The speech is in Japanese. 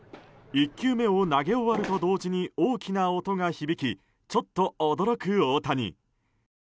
１球目を投げ終わると同時に大きな音が響きちょっと驚く大谷。